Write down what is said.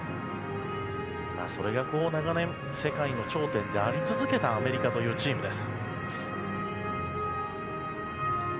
それが長年世界の頂点であり続けたというアメリカというチームです。